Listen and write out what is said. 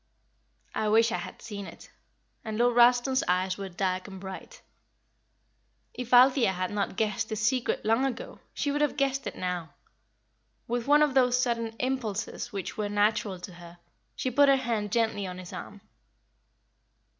"I wish I had seen it;" and Lord Ralston's eyes were dark and bright. If Althea had not guessed his secret long ago, she would have guessed it now. With one of those sudden impulses which were natural to her, she put her hand gently on his arm.